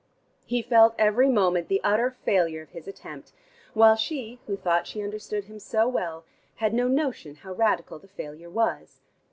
He felt every moment the utter failure of his attempt, while she, who thought she understood him so well, had no notion how radical the failure was.